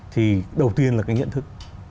thì đầu tiên là cái nhận thức